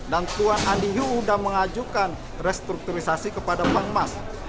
dan tuan andi hugh sudah mengajukan restrukturisasi kepada bank mas